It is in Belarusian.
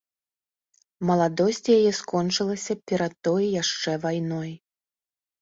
Маладосць яе скончылася перад той яшчэ вайной.